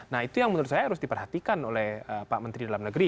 nah itu yang menurut saya harus diperhatikan oleh pak menteri dalam negeri